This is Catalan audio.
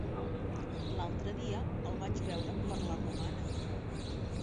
L'altre dia el vaig veure per la Romana.